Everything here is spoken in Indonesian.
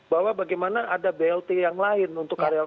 bahwa bagaimana ada blt yang lain untuk karyawan